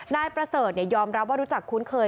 นายประเสริฐยอมรับว่ารู้จักคุ้นเคย